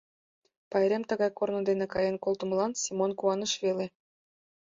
Пайрем тыгай корно дене каен колтымылан Семон куаныш веле.